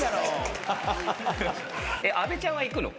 阿部ちゃんは行くの？